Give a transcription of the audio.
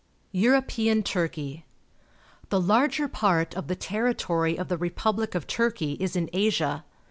EUROPEAN TURKEY 0*t<^ r The larger part of the territory of the republic of Turkey is in Asia.